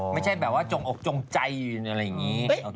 ไม่ใช่แบบว่าจงใจอยู่อยู่อะไรแบบนี้